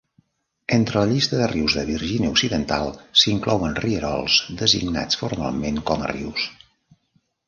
Entre la llista de rius de Virginia Occidental s'inclouen rierols designats formalment com a rius.